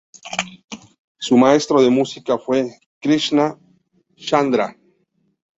Su maestro de música fue Krishna Chandra.